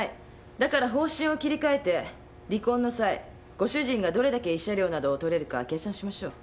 だから方針を切り替えて離婚の際ご主人がどれだけ慰謝料などを取れるか計算しましょう。